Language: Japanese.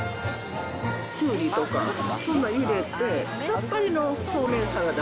きゅうりとか、そんなん入れて、さっぱりのそうめんサラダ。